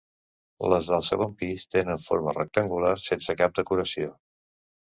Les del segon pis tenen forma rectangular sense cap decoració.